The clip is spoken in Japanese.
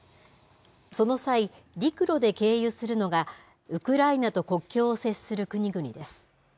その際、陸路で経由するのがウクライナと国境を接する国々です。